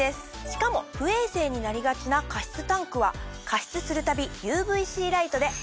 しかも不衛生になりがちな加湿タンクは加湿するたびＵＶーＣライトで。